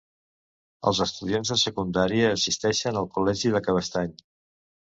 Els estudiants de secundària assisteixen al col·legi de Cabestany.